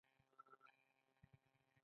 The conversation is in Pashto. جوار په لمر کې ژر پخیږي.